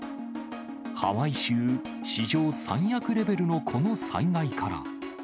ハワイ州史上最悪レベルのこの災害から。